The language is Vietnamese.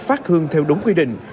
phát hương theo đúng quy định